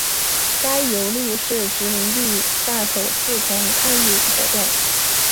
该游利是殖民地上首次同类抗议活动。